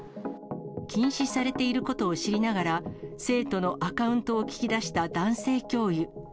禁止されていることを知りながら、生徒のアカウントを聞き出した男性教諭。